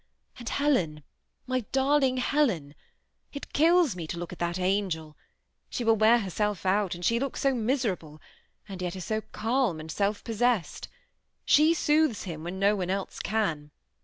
And Helen, mj darling Helen ! it kills me to look at that angel ; she will wear herself out, and she looks so mis erable, and jet is so calm and self possessed. She soothes him when no one else can.